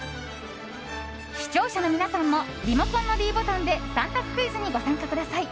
視聴者の皆さんもリモコンのｄボタンで３択クイズにご参加ください。